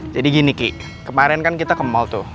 jadi gini kiki kemarin kan kita ke mall tuh